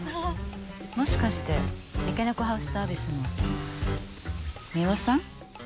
もしかして三毛猫ハウスサービスの美羽さん？